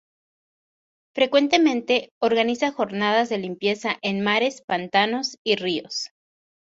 Frecuentemente organiza jornadas de limpieza en mares, pantanos y ríos.